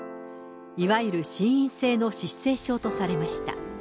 いわゆる心因性の失声症とされました。